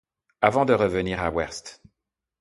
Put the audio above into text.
Avant de revenir à Werst...